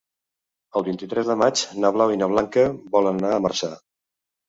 El vint-i-tres de maig na Blau i na Blanca volen anar a Marçà.